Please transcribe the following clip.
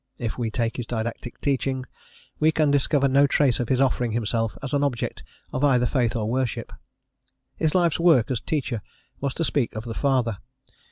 If we take his didactic teaching, we can discover no trace of his offering himself as an object of either faith or worship. His life's work, as teacher, was to speak of the Father.